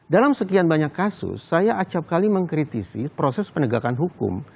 dalam sekian banyak kasus saya acapkali mengkritisi proses penegakan hukum